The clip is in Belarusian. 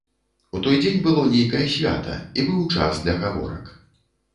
У той дзень было нейкае свята, і быў час для гаворак.